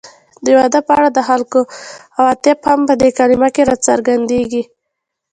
د واده په اړه د خلکو عواطف هم په دې کلمه کې راڅرګندېږي